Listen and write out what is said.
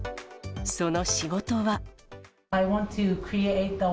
その仕事は。